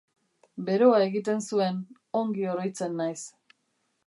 Beroa egiten zuen, ongi oroitzen naiz.